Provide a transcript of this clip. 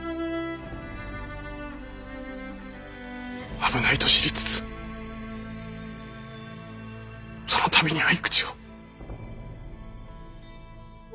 危ないと知りつつそのたびに匕首を。